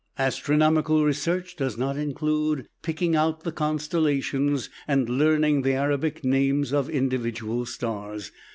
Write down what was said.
Astronomical research does not include "picking out" the constellations, and learning the Arabic names of individual stars.